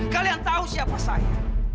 kalian tahu siapa saya